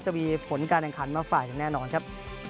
จะมีผลการแข่งขันมาฝากอย่างแน่นอนครับ